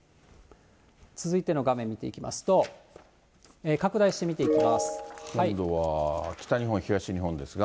続いての画面見ていきますと、今度は北日本、東日本ですが。